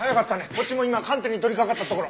こっちも今鑑定に取りかかったところ。